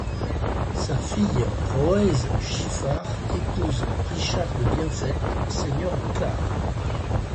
Sa fille Rohaise Giffard épouse Richard de Bienfaite, seigneur de Clare.